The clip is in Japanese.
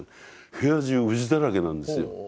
部屋中ウジだらけなんですよ。